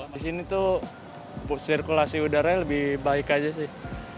di sini tuh sirkulasi udaranya lebih baik aja sih